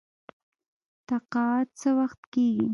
تقاعد څه وخت کیږي؟